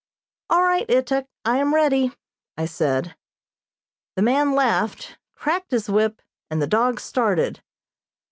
"All right, Ituk; I am ready," I said. The man laughed, cracked his whip, and the dogs started.